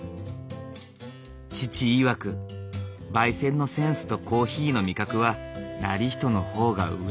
父いわく焙煎のセンスとコーヒーの味覚は業人の方が上。